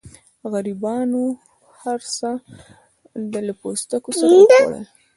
غریبانو هرڅه له پوستکو سره وخوړل.